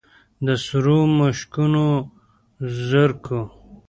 د سرو مشوکو زرکو